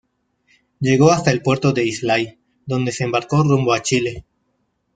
Llegó hasta el puerto de Islay, donde se embarcó rumbo a Chile.